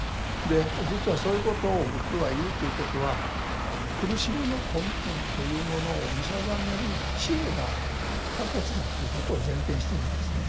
実はそういうことを仏教が言うということは苦しみの根本というものを見定める智慧が不可欠だということを前提にしてるんですね。